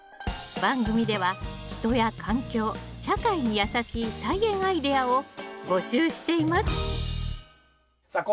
番組では人や環境社会にやさしい菜園アイデアを募集していますさあ